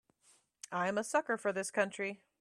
I'm a sucker for this country.